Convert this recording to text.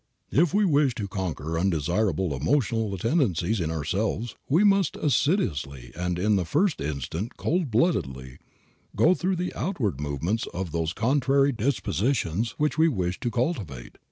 If we wish to conquer undesirable emotional tendencies in ourselves we must assiduously, and in the first instance cold bloodedly, go through the outward movements of those contrary dispositions which we wish to cultivate.